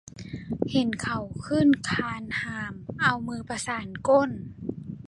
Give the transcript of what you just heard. เห็นเขาขึ้นคานหาม เอามือประสานก้น